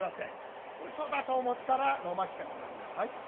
うそだと思ったら飲ましてごらんなさい。